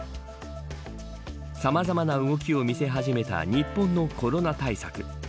さまざまな動きを見せ始めた日本のコロナ対策。